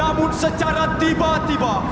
namun secara tiba tiba